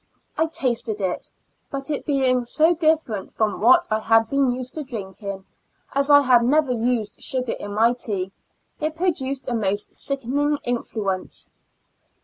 I tasted it, but it being so different from what I had been used to drinking, as I had never used sugar in my tea, it produced a most sickening influence.